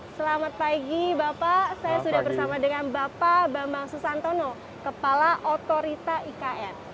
selamat pagi bapak saya sudah bersama dengan bapak bambang susantono kepala otorita ikn